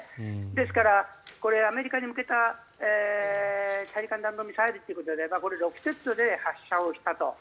ですから、アメリカに向けた大陸間弾道ミサイルということであればこれロフテッドで発射をしたと。